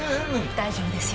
大丈夫ですよ。